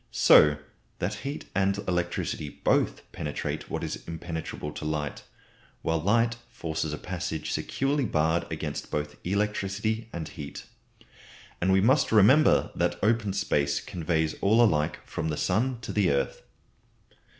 So that heat and electricity both penetrate what is impenetrable to light; while light forces a passage securely barred against both electricity and heat. And we must remember that open space conveys all alike from the sun to the earth.